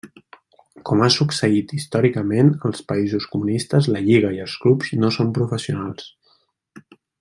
Com ha succeït històricament als països comunistes la lliga i els clubs no són professionals.